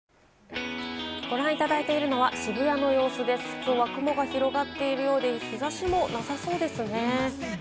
きょうは雲が広がっているようで、日差しもなさそうですね。